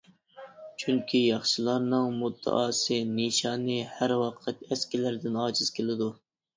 چۈنكى ياخشىلارنىڭ مۇددىئاسى، نىشانى ھەر ۋاقىت ئەسكىلەردىن ئاجىز كېلىدۇ.